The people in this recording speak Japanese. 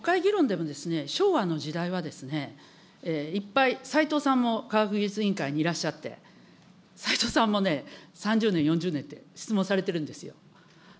国会議論でも、昭和の時代は、いっぱい、さいとうさんも科学技術委員会にいらっしゃって、さいとうさんもね、３０年、４０年って質問されてるんですよ。